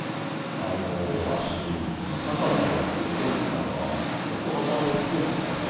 あのわしたかさは９センチだがよこはばは６センチだったような。